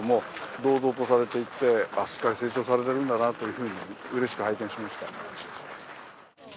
堂々とされていてすっかり成長されているんだなというふうにうれしく拝見しました。